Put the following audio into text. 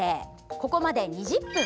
ここまで２０分。